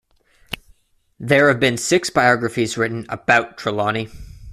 There have been six biographies written about Trelawny.